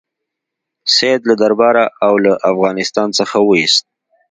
سید له درباره او له افغانستان څخه وایست.